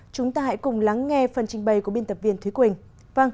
chúng ta hãy cùng lắng nghe phần trình bày của biên tập viên thúy quỳnh